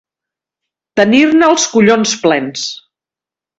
Tenir-ne els collons plens.